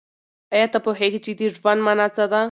آیا ته پوهېږې چې د ژوند مانا څه ده؟